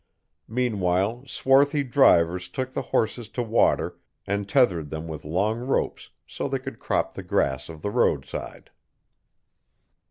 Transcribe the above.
Meanwhile swarthy drivers took the horses to water and tethered them with long ropes so they could crop the grass of the roadside.